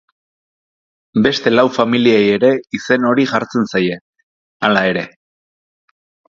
Beste lau familiei ere izen hori jartzen zaie, hala ere.